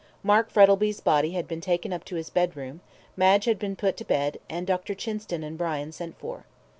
Mark Frettlby's body had been taken up to his bedroom, Madge had been put to bed, and Dr. Chinston and Brian sent for.